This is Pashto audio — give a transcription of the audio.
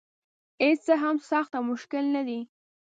هېڅ څه هم سخت او مشکل نه دي.